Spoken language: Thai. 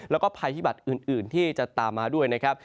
แล้วก็ภัยพิบัตรอื่นที่จะตามมาด้วยนะครับ